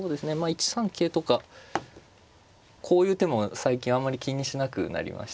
１三桂とかこういう手も最近あんまり気にしなくなりましたね。